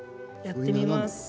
やってみます。